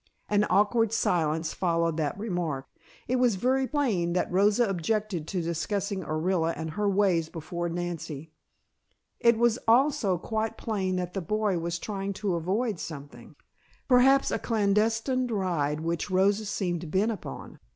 An awkward silence followed that remark. It was very plain that Rosa objected to discussing Orilla and her ways before Nancy. It was also quite plain that the boy was trying to avoid something, perhaps a clandestined ride which Rosa seemed bent upon.